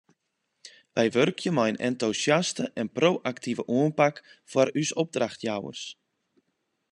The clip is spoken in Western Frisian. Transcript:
Wy wurkje mei in entûsjaste en pro-aktive oanpak foar ús opdrachtjouwers.